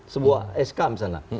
sebuah sk misalnya